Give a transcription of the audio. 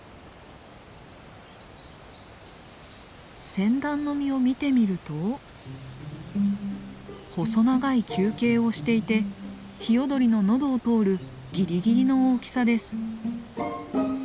センダンの実を見てみると細長い球形をしていてヒヨドリの喉を通るぎりぎりの大きさです。